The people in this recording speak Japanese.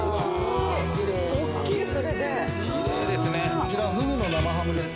こちらフグの生ハムです。